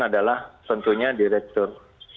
adalah tentunya direktur